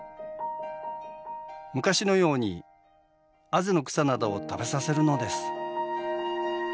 昔のように畔の草などを食べさせるのです。